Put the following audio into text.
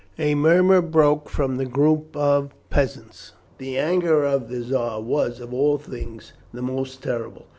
A murmur broke from the group of peasants. The anger of the Czar was, of all things, the most terrible.